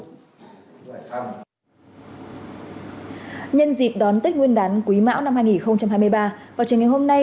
nhân dịp đón tết nguyên đán quý mão năm hai nghìn hai mươi ba vào trường ngày hôm nay